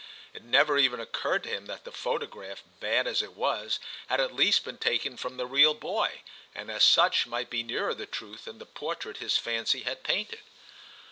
It never even occurred to him that the photograph, bad as it was, had at least been taken from the real boy, and as such might be nearer the truth than the portrait his fancy had painted.